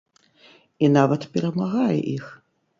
І нават перамагае іх!